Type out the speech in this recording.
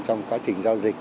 trong quá trình giao dịch